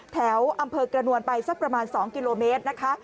แถวอำเภอกระนวลไปสักประมาณ๒กิโลเมตรนะคะ